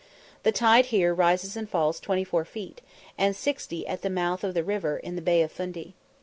The tide here rises and falls twenty four feet, and sixty at the mouth of the river, in the Bay of Fundy.